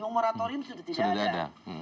no moratorium sudah tidak ada